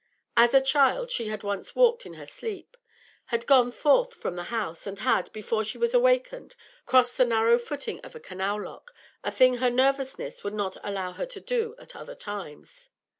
As a child she had once walked in her sleep, had gone forth from the house, and had, before she was awakened, crossed the narrow footing of a canal lock, a thing her nervousness would not allow her to do at other times.